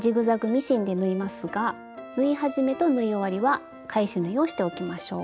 ミシンで縫いますが縫い始めと縫い終わりは返し縫いをしておきましょう。